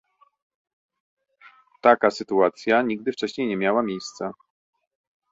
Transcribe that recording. Taka sytuacja nigdy wcześniej nie miała miejsca